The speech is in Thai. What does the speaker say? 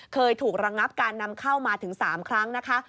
เคยถูกระงับการนำเข้ามาถึง๓ครั้งนะคะ